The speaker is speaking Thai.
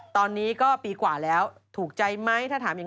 ตอนนี้ก็ปีกว่าแล้วถูกใจไหม